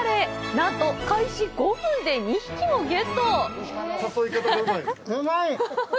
なんと開始５分で２匹もゲット！